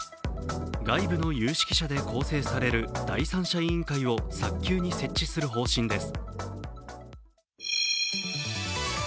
外部の有識者で構成される第三者委員会を早急に設置する方針です。